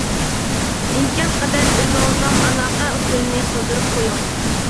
ئىمكان قەدەر ئۆزىڭىزنىڭ ئالاقە ئۇسۇلىنى قالدۇرۇپ قويۇڭ.